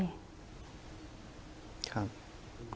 ครับ